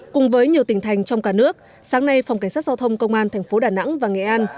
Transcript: cùng với nhiều tình thành trong cả nước sáng nay phòng cảnh sát giao thông công an tp đà nẵng và nghệ an